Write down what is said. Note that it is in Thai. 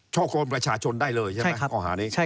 ช่อโกงประชาชนได้เลยใช่ไหมข้อหานี้